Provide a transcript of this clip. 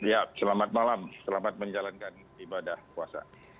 ya selamat malam selamat menjalankan ibadah puasa